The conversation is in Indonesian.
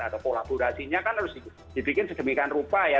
atau kolaborasinya kan harus dibikin sedemikian rupa ya